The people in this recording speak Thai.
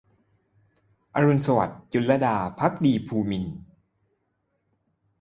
อรุณสวัสดิ์ - จุลลดา ภักดีภูมินทร์